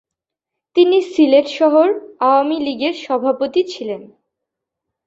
তিনি সিলেট শহর আওয়ামী লীগের সভাপতি ছিলেন।